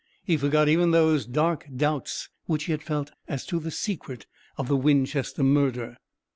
He forgot even those dark doubts which he had felt as to the secret of the Winchester murder.